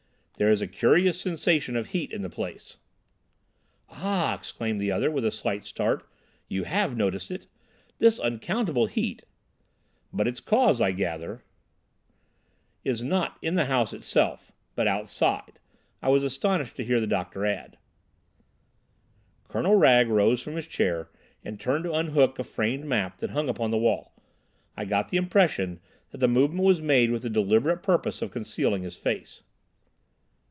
"There is a curious sensation of heat in the place." "Ah!" exclaimed the other, with a slight start. "You have noticed it. This unaccountable heat—" "But its cause, I gather, is not in the house itself—but outside," I was astonished to hear the doctor add. Colonel Wragge rose from his chair and turned to unhook a framed map that hung upon the wall. I got the impression that the movement was made with the deliberate purpose of concealing his face.